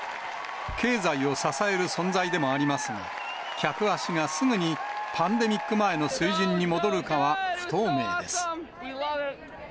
経済を支える存在でもありますが、客足がすぐにパンデミック前の水準に戻るかは不透明です。